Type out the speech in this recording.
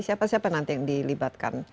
siapa siapa nanti yang dilibatkan